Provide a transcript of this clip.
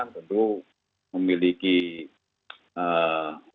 tentu memiliki upaya